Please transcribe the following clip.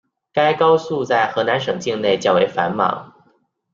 该高速在河南省境内较为繁忙。